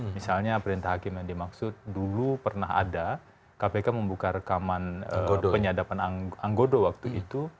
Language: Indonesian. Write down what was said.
misalnya perintah hakim yang dimaksud dulu pernah ada kpk membuka rekaman penyadapan anggodo waktu itu